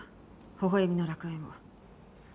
ほほ笑みの楽園を。